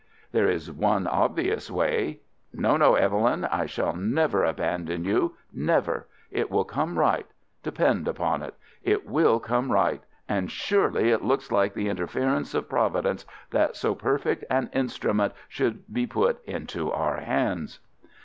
"There is one obvious way." "No, no, Evelyn, I shall never abandon you—never. It will come right—depend upon it; it will come right, and surely it looks like the interference of Providence that so perfect an instrument should be put into our hands."